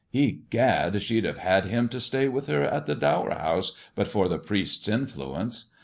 Egad ! she'd have had him to stay with her at the Dower House but for the priest's influence.